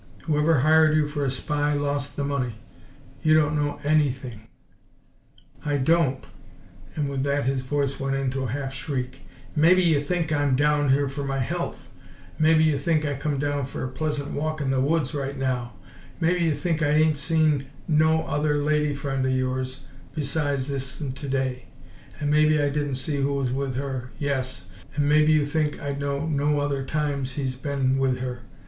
Whoever hired YOU for a spy lost the money. YOU don't know ANY thing!" "I DON'T!" And with that his voice went to a half shriek. "Maybe you think I'm down here f'r my health; maybe you think I come out f'r a pleasant walk in the woods right now; maybe you think I ain't seen no other lady friend o' yours besides this'n to day, and maybe I didn't see who was with her yes, an' maybe you think I d'know no other times he's be'n with her.